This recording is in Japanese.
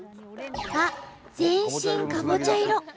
あっ全身かぼちゃ色！